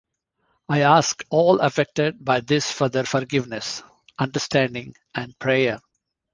I ask all affected by this for their forgiveness, understanding and prayer.